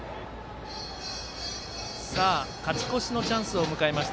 勝ち越しのチャンスを迎えました